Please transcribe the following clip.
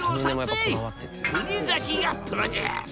国崎がプロデュース！